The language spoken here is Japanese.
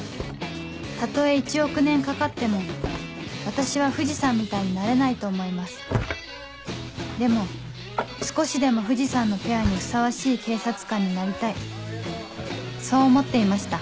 たとえ１億年かかっても私は藤さんみたいになれないと思いますでも少しでも藤さんのペアにふさわしい警察官になりたいそう思っていました